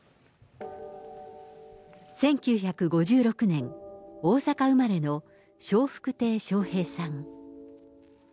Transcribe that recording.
１９５６年、大阪生まれの笑福亭笑瓶さん。